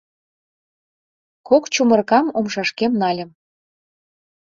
Кок чумыркам умшашкем нальым...